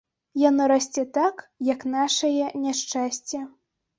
Яно расце так, як нашае няшчасце.